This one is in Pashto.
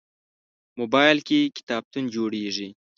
موبایل کې کتابتون جوړېږي.